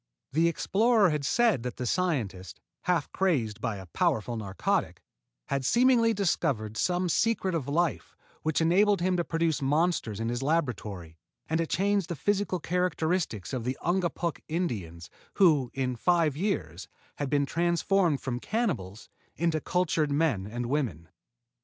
The explorer had said that the scientist, half crazed by a powerful narcotic, had seemingly discovered some secret of life which enabled him to produce monsters in his laboratory and to change the physical characteristics of the Ungapuk Indians, who, in five years, had been transformed from cannibals into cultured men and women.